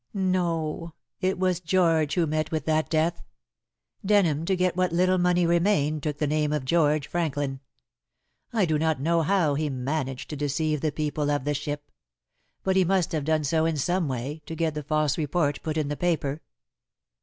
"No; it was George who met with that death. Denham, to get what little money remained, took the name of George Franklin. I do not know how he managed to deceive the people of the ship; but he must have done so in some way, to get the false report put in the paper."